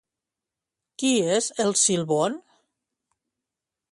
Qui és El Silbón?